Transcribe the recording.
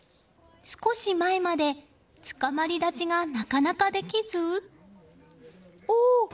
少し前までつかまり立ちがなかなかできず。